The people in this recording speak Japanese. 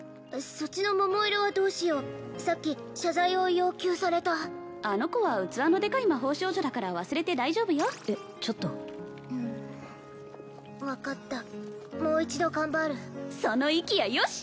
そっちの桃色はどうしようさっき謝罪を要求されたあの子は器のでかい魔法少女だから忘れて大丈夫よえっちょっとうん分かったもう一度頑張るその意気やよし！